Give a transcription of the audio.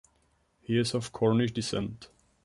He is of Cornish descent.